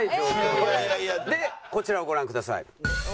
えーっ！でこちらをご覧ください。